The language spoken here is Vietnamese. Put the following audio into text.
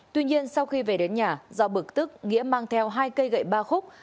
tuy nhiên sau khi về đến nhà do bực tức nghĩa mang theo hai cây gậy ba khúc